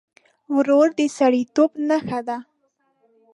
ورور د سړيتوب نښه ده.